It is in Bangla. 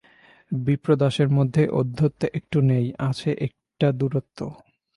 বিপ্রদাসের মধ্যে ঔদ্ধত্য একটুও নেই, আছে একটা দূরত্ব।